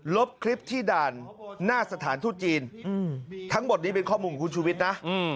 ลบคลิปที่ด่านหน้าสถานทูตจีนทั้งหมดนี้เป็นข้อมูลของคุณชูวิทย์นะ